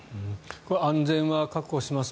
安全は確保します